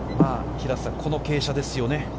平瀬さん、この傾斜ですよね。